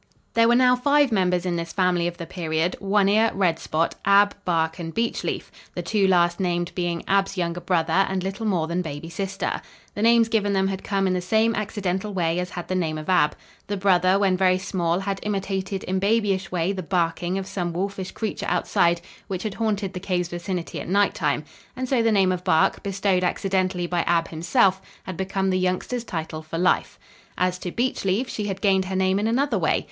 There were now five members in this family of the period, One Ear, Red Spot, Ab, Bark and Beech Leaf, the two last named being Ab's younger brother and little more than baby sister. The names given them had come in the same accidental way as had the name of Ab. The brother, when very small, had imitated in babyish way the barking of some wolfish creature outside which had haunted the cave's vicinity at night time, and so the name of Bark, bestowed accidentally by Ab himself, had become the youngster's title for life. As to Beech Leaf, she had gained her name in another way.